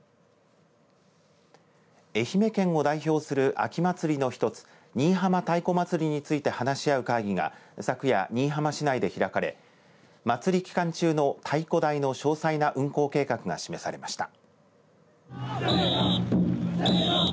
愛媛県を代表する秋祭りの１つ新居浜太鼓祭りについて話し合う会議が昨夜新居浜市内で開かれ祭り期間中の太鼓台の詳細な運行計画が示されました。